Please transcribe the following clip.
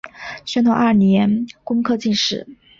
宣统二年工科进士。